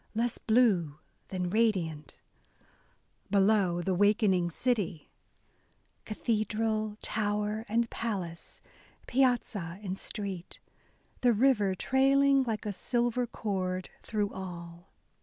less blue than radiant/* Below, the wakening city, ••Cathedral, tower and palace, piazza and street ; The river trailing like a silver cord Through all."